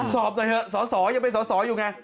สอบหน่อยเถอะสสยังเป็นสอสออยู่ไง